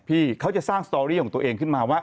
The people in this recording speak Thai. พี่เขาจะสร้างสตอรี่ของตัวเองขึ้นมาว่า